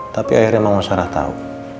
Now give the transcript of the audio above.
tapi akhirnya mama sarah tahu